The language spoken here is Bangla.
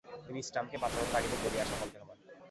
তিনি স্ট্যাম্পকে বাঁচানোর তাগিদে গড়িয়ে আসা বলকে থামান।